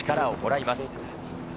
力をもらいます。